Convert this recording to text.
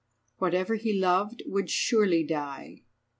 Whatever he loved would surely die.